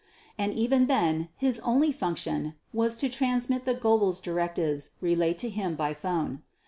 And even then his only function was to transmit the Goebbels' directives relayed to him by telephone.